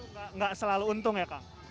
itu gak selalu untung ya kak